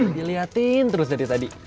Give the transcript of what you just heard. diliatin terus dari tadi